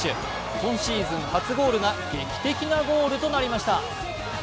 今シーズン初ゴールが劇的なゴールとなりました。